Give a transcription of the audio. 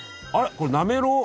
これなめろう！？